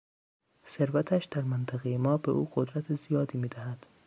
ثروتش در منطقهی ما به او قدرت زیادی میدهد.